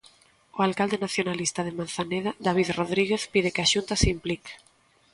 O alcalde nacionalista de Manzaneda, David Rodríguez, pide que a Xunta se implique.